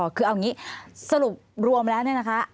คือเอาอย่างนี้สรุปรวมแล้วเนี่ยนะคะ